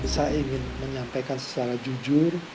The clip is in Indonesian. saya ingin menyampaikan secara jujur